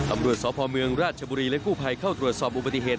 ตำรวจสพเมืองราชบุรีและกู้ภัยเข้าตรวจสอบอุบัติเหตุ